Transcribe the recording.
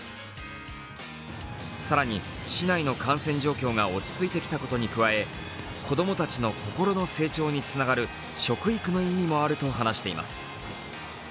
更に、市内の感染状況が落ち着いてきたことに加え子供たちの心の成長につながる食育の意味もあると話しています。